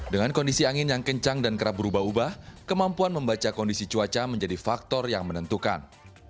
dengan kondisi angin yang kencang dan kerap berubah ubah kemampuan membaca kondisi cuaca menjadi faktor yang menentukan